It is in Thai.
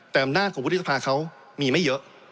แต่อำนาจของวุฒิสภาเขามีไม่เยอะ